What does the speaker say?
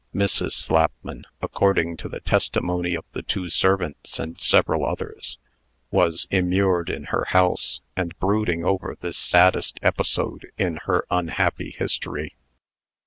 Mrs. Slapman, according to the testimony of the two servants and several others, was immured in her house, and brooding over this saddest episode in her unhappy history.